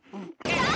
あっ！